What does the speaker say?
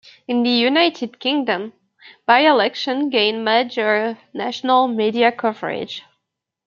In the United Kingdom, by-elections gain major national media coverage.